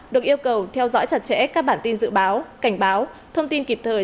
được yêu cầu theo dõi chặt chẽ các bản tin dự báo cảnh báo thông tin kịp thời